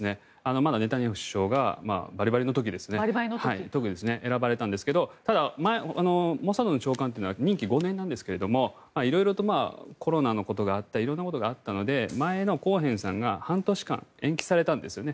まだネタニヤフ首相がバリバリの時に選ばれたんですがモサドの長官というのは任期５年なんですが色々、コロナのこととか色んなことがあったので前のコーヘンさんが半年間、延期されたんですね。